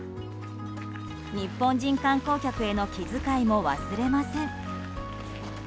日本人観光客への気遣いも忘れません。